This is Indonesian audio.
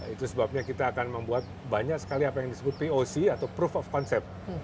itu sebabnya kita akan membuat banyak sekali apa yang disebut poc atau proof of concept